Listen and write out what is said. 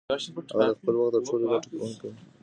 هغه د خپل وخت تر ټولو ګټه کوونکې وه.